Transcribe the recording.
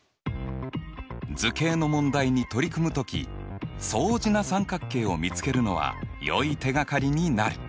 図形の問題に取り組む時相似な三角形を見つけるのはよい手がかりになる。